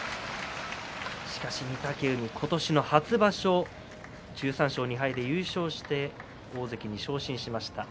しかし御嶽海今年の初場所１３勝２敗で優勝して大関に昇進しました。